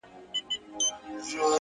د خاموش کور فضا د ذهن خبرې لوړوي؛